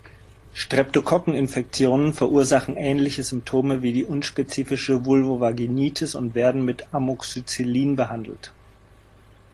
Streptokokkeninfektionen verursachen ähnliche Symptome wie die unspezifische Vulvovaginitis und werden mit Amoxicillin behandelt.